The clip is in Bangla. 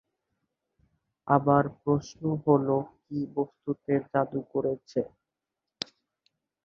আবার প্রশ্ন হলঃ কি বস্তুতে জাদু করেছে?